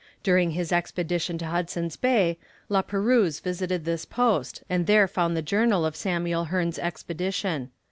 During his expedition to Hudson's Bay, La Perouse visited this post, and there found the journal of Samuel Hearn's expedition.